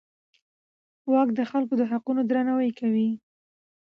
واک د خلکو د حقونو درناوی کوي.